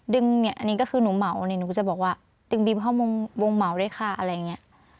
เนี่ยอันนี้ก็คือหนูเหมานี่หนูก็จะบอกว่าดึงบีบเข้าวงเหมาด้วยค่ะอะไรอย่างนี้